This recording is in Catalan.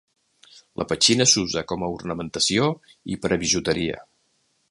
La petxina s'usa com a ornamentació i per a bijuteria.